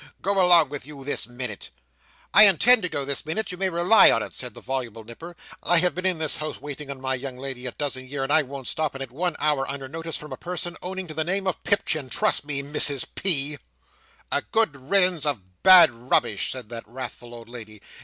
Go along with you this minute!" "I intend to go this minute, you may rely upon it," said the voluble Nipper. "I have been in this house waiting on my young lady a dozen year and I won't stop in it one hour under notice from a person owning to the name of Pipchin trust me, Mrs P." "A good riddance of bad rubbish!" said that wrathful old lady.